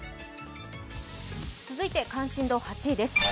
続いて関心度８位です。